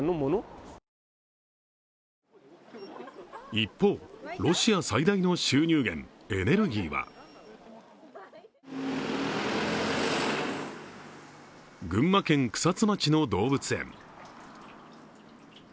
一方、ロシア最大の収入源、エネルギーは群馬県草津町の動物園。